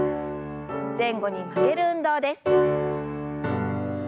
前後に曲げる運動です。